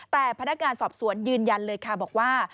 แต่พนักงานสอบสวนยืนยันเลยค่ะบอกว่า